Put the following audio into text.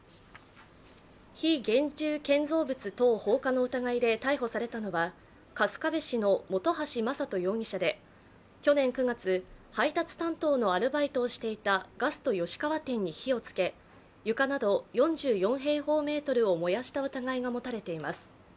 非現住建造物等放火の疑いで逮捕されたのは春日部市の本橋真人容疑者で去年９月配達担当のアルバイトをしていたガスト吉川店に火をつけ床など４４平方メートルを燃やした疑いが持たれています。